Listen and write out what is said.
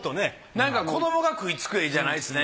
なんか子どもが食いつく絵じゃないですね。